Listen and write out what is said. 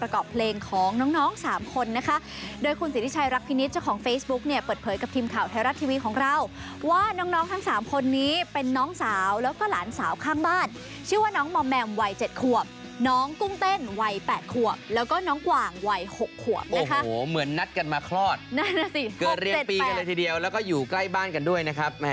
เกิดเรียงปีกันเลยทีเดียวแล้วก็อยู่ใกล้บ้านกันด้วยนะครับ